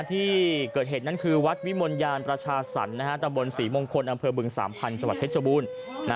ที่เกิดเหตุนั้นคือวัดวิมวญาณประชาศัลตะบลสี่มงคลอำเภอบึงสามพันธุ์สวรรคเทชบูรณ์